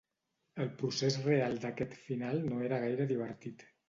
El procés real d'aquest final no era gaire divertit.